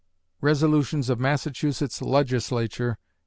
(_Resolutions of Massachusetts Legislature, 1845.